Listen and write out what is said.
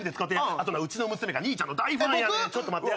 あとなうちの娘が兄ちゃんの大ファンやねん。ちょっと待ってや。